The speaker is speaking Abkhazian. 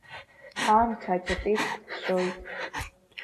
Аамҭа акьатеих ԥыҵәҵәоит.